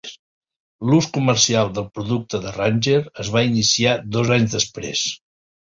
L'ús comercial del producte de Ranger es va iniciar dos anys després.